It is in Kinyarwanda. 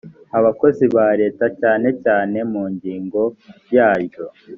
abakozi ba leta cyane cyane mu ngingo yaryo